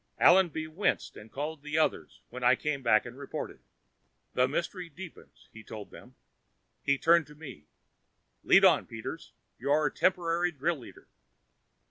Allenby winced and called the others when I came back and reported. "The mystery deepens," he told them. He turned to me. "Lead on, Peters. You're temporary drill leader."